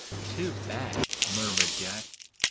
"Too bad," murmured Jack.